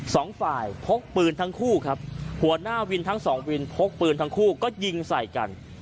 สองฝ่ายพกปืนทั้งคู่ครับหัวหน้าวินทั้งสองวินพกปืนทั้งคู่ก็ยิงใส่กัน